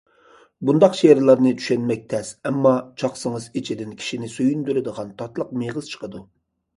بۇنداق شېئىرلارنى چۈشەنمەك تەس، ئەمما چاقسىڭىز ئىچىدىن كىشىنى سۆيۈندۈرىدىغان تاتلىق مېغىز چىقىدۇ.